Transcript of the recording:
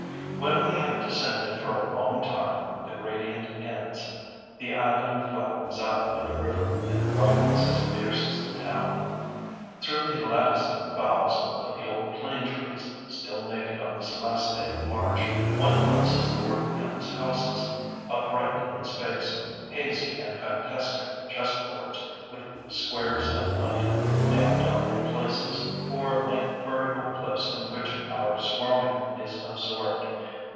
When we have descended for a long time the gradient ends, the avenue flattens out like a river, and widens as it pierces the town. Through the latticed boughs of the old plane trees still naked on this last day of March one glimpses the workmen's houses, upright in space, hazy and fantastic chessboards, with squares of light dabbed on in places, or like vertical cliffs in which our swarming is absorbed.